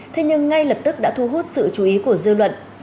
thế nhưng ngay lập tức đã thu hút sự chú ý của dư luận